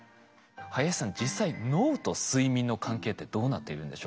林さん実際脳と睡眠の関係ってどうなっているんでしょうか？